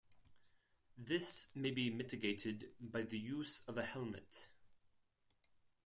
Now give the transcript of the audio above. This may be mitigated by the use of a helmet.